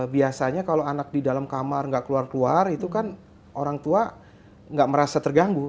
biasanya kalau anak di dalam kamar gak keluar keluar itu kan orang tua nggak merasa terganggu